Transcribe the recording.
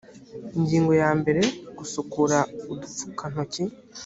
ingingo ya mbere gusukura udupfukantoki